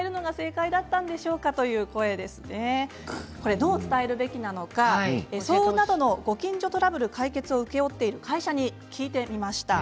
どう伝えるべきなのか騒音などのご近所トラブル解決を請け負っている会社に聞いてみました。